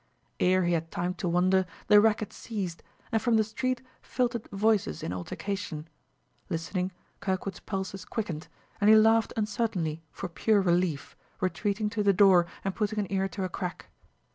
Ere he had time to wonder, the racket ceased, and from the street filtered voices in altercation. Listening, Kirkwood's pulses quickened, and he laughed uncertainly for pure relief, retreating to the door and putting an ear to a crack.